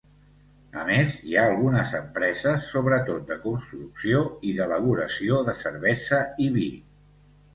A més, hi ha algunes empreses, sobretot de construcció i d'elaboració de cervesa i vi.